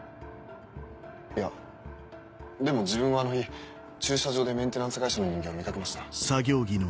いやでも自分はあの日駐車場でメンテナンス会社の人間を見掛けました。